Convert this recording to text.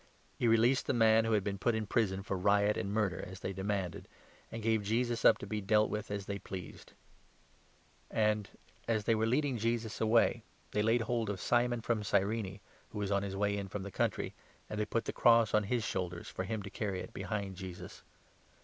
He released the man who had been put in prison for riot and murder, as they demanded, and gave Jesus up to be dealt with as they pleased. The And, as they were leading Jesus away, they Crucifixion laid hold of Simon from Cyrene, who was on his of Jeaus. way jn from the country, and they put the cross on his shoulders, for him to carry it behind Jesus.